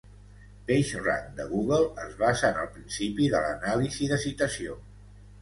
PageRank de Google es basa en el principi de l"anàlisi de citació.